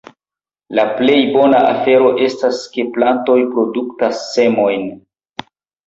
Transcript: La plej bona afero estas, ke plantoj produktas semojn.